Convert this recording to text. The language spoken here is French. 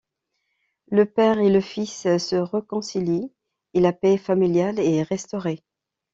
Le père et le fils se réconcilient et la paix familiale est restaurée.